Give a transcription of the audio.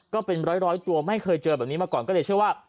ก็เป็นร้อยตัวไม่เคยเจอแบบนี้มาก่อนก็เลยเชื่อว่า